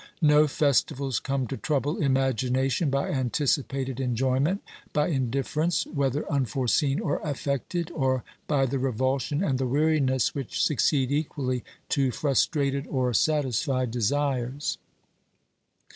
No festivals come to trouble imagination by anticipated enjoy ment, by indifference, whether unforeseen or affected, or by the revulsion and the weariness which succeed equally to frustrated or satisfied desires.